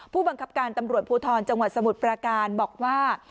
ผู้บังคับการตำรวจภูทรจังหวัดสมุทรปราการบอกว่า